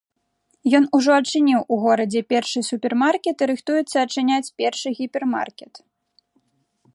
Ён ужо адчыніў у горадзе першы супермаркет і рыхтуецца адчыняць першы гіпермаркет.